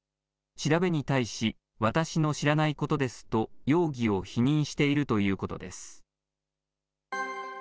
調べに対し、私の知らないことですと容疑を否認しているということです。